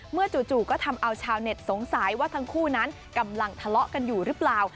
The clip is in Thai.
จู่ก็ทำเอาชาวเน็ตสงสัยว่าทั้งคู่นั้นกำลังทะเลาะกันอยู่หรือเปล่า